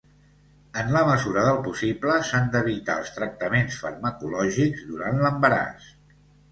En la mesura del possible s'han d'evitar els tractaments farmacològics durant l'embaràs.